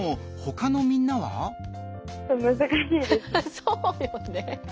そうよね。